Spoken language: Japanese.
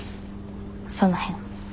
その辺。